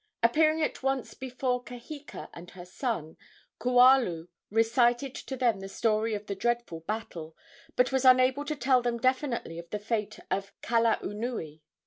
Appearing at once before Kaheka and her son, Kualu recited to them the story of the dreadful battle, but was unable to tell them definitely of the fate of Kalaunui.